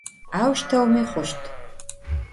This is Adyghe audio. Auşteumi xhuşt.